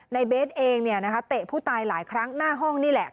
เบสเองเตะผู้ตายหลายครั้งหน้าห้องนี่แหละ